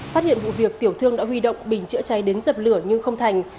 phát hiện vụ việc tiểu thương đã huy động bình chữa cháy đến dập lửa nhưng không thành